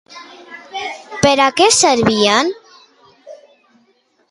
Per a què servien?